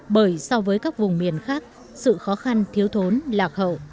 bởi so với các vùng miền khác sự khó khăn thiếu thốn lạc hậu